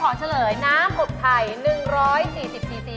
ก็ขอเฉลยน้ำอบไถ่๑๔๐ซีซี